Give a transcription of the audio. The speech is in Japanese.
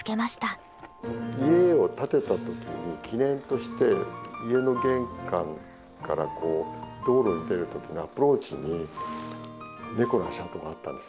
家を建てた時に記念として家の玄関から道路に出る時のアプローチにネコの足跡があったんです。